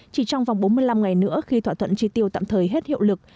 chỉ trong vòng bốn mươi năm ngày nữa khi thỏa thuận tri tiêu tạm thời hết hiệu lực